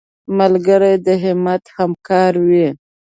ملګری د همت همکار وي